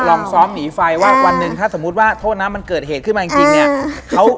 ลองซ้อมหนีไฟว่าวันหนึ่งถ้าสมมุติว่าโทษน้ำมันเกิดเหตุขึ้นมาจริงเนี่ย